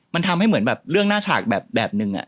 มันทำให้เหมือนแบบเรื่องหน้าฉากแบบนึง